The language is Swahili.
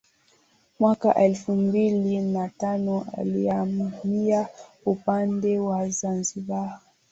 Mwaka elfu mbili na tano alihamia upande wa Zanzibar